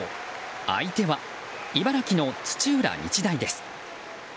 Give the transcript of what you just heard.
相手は茨城の土浦日大です。